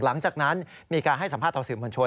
หลังจากนั้นมีการให้สัมภาษณ์ต่อสื่อมวลชน